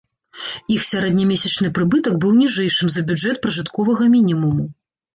Іх сярэднемесячны прыбытак быў ніжэйшым за бюджэт пражытковага мінімуму.